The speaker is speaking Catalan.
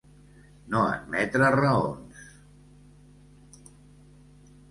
No admetre raons.